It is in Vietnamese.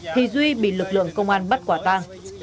thì duy bị lực lượng công an bắt quả tang